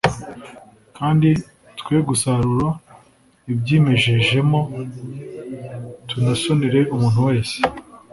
kandi twe gusarura ibyimejejemo tunasonere umuntu wese